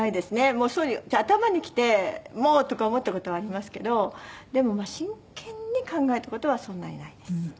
もうそういう風に頭にきてもう！とか思った事はありますけどでも真剣に考えた事はそんなにないです。